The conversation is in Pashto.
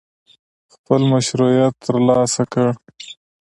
خپل مشروعیت ترلاسه کړي.